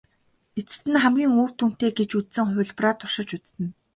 Эцэст нь хамгийн үр дүнтэй гэж үзсэн хувилбараа туршиж үзнэ.